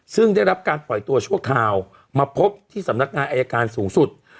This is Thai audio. ซึ่งได้รับการปล่อยตัวชั่วคราวมาพบที่สำนักงานอายการสูงสุด